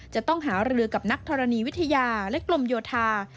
จะต้องหารือกับนักธรณีวิทยาและกลมโยธา